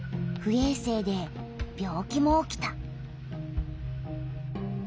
えい生で病気も起きた。